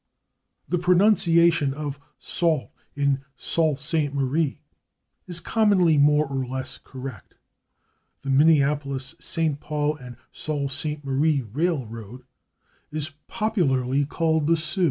The pronunciation of /sault/, as in /Sault Ste. Marie/, is commonly more or less correct; the Minneapolis, St. Paul and Sault Ste. Marie Railroad is popularly called the /Soo